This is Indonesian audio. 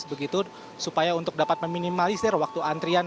begitu supaya untuk dapat meminimalisir waktu antrian